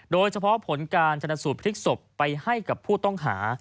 โดยเฉพาะผลการชนสูตรพลิกศพไปให้กับผู้ต้องหา